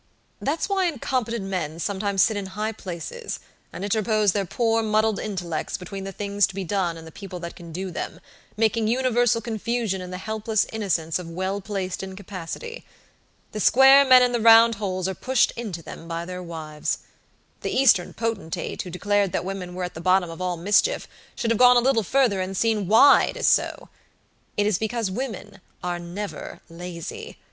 That's why incompetent men sometimes sit in high places, and interpose their poor, muddled intellects between the things to be done and the people that can do them, making universal confusion in the helpless innocence of well placed incapacity. The square men in the round holes are pushed into them by their wives. The Eastern potentate who declared that women were at the bottom of all mischief, should have gone a little further and seen why it is so. It is because women are never lazy.